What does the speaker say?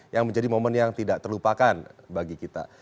yang menjadi momen yang tidak terlupakan bagi kita